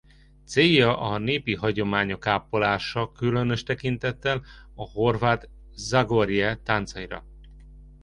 Célja a népi hagyományok ápolása különös tekintettel a horvát Zagorje táncaira.